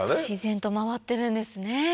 自然と回ってるんですね。